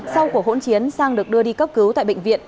sau của hỗn chiến sang được đưa đi cấp cứu tại bệnh viện